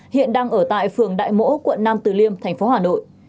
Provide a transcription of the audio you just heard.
hiện đang ở tại phường đại mỗ quận nam từ liêm thành phố hà nội